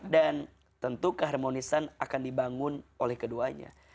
dan tentu keharmonisan akan dibangun oleh keduanya